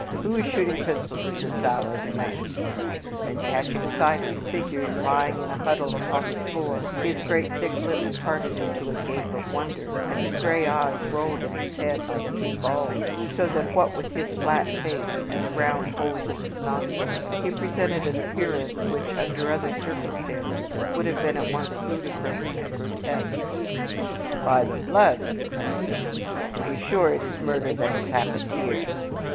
Who is shooting pistols at this hour of the night?" Then, catching sight of the figures lying in a huddle upon the floor, his great, thick lips parted into a gape of wonder and his gray eyes rolled in his head like two balls, so that what with his flat face and the round holes of his nostrils he presented an appearance which, under other circumstances, would have been at once ludicrous and grotesque. "By the blood!" cried he, "to be sure it is murder that has happened here."